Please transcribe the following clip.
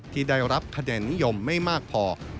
ที่ได้รับคะแนนนิยมไม่มากพอ